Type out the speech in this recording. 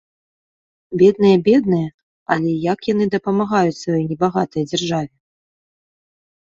Бедныя-бедныя, але як яны дапамагаюць сваёй небагатай дзяржаве!